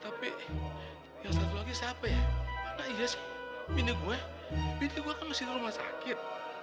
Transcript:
tapi yang satu lagi siapa ya tidak sih bintik gue bintik gue masih rumah sakit